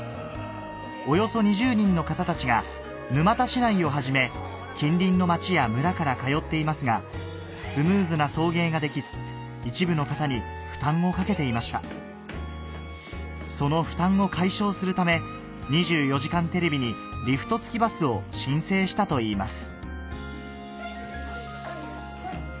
およそ２０人の方たちが沼田市内をはじめ近隣の町や村から通っていますがスムーズな送迎ができず一部の方に負担をかけていましたその負担を解消するため『２４時間テレビ』にリフト付きバスを申請したといいます